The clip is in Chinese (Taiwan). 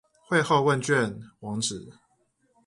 會後問卷網址